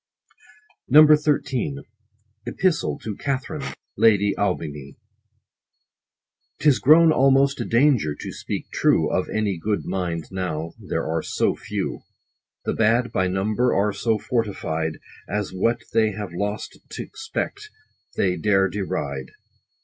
90 XIII. — EPISTLE TO KATHARINE LADY AUBIGNY. 'Tis grown almost a danger to speak true Of any good mind, now ; there are so few. The bad, by number, are so fortified, As what they have lost t' expect, they dare deride.